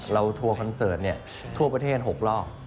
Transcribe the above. ทัวร์คอนเสิร์ตทั่วประเทศ๖รอบ